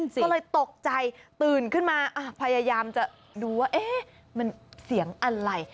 ก็เลยตกใจตื่นขึ้นมาพยายามจะดูว่ามันเสียงอะไร